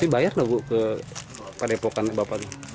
tapi bayar dong ke padepokan bapak itu